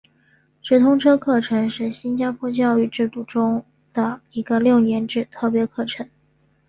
直通车课程是新加坡教育制度中的一个六年制特别课程。